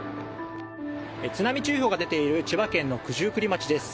津波注意報が出ている千葉県の九十九里町です。